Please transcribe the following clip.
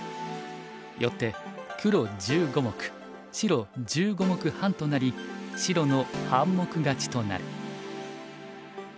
よって黒１５目白１５目半となり白の半目勝ちとなる。